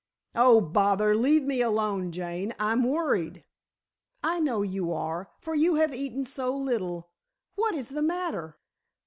"Oh, bother: leave me alone, Jane. I'm worried." "I know you are, for you have eaten so little. What is the matter?"